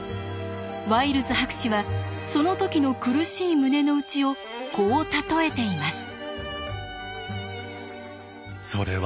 ワイルズ博士はその時の苦しい胸の内をこう例えています。